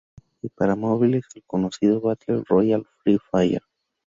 Y para móviles el conocido Battle Royale: Free Fire.